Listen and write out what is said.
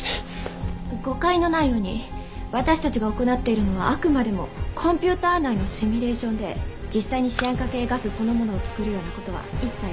誤解のないように私たちが行っているのはあくまでもコンピューター内のシミュレーションで実際にシアン化系ガスそのものを作るような事は一切ありません。